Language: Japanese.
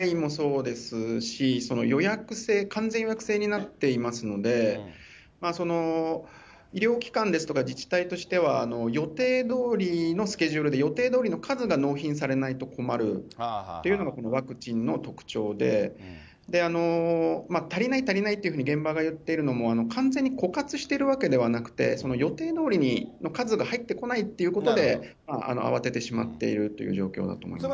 ２回もそうですし、予約制、完全予約制になっていますので、医療機関ですとか、自治体としては予定どおりのスケジュールで、予定どおりの数が納品されないと困るというのがこのワクチンの特徴で、足りない、足りないっていうふうに現場が言っているのも完全に枯渇しているわけではなくて、予定どおりの数が入ってこないということで、慌ててしまっているという状況がありますね。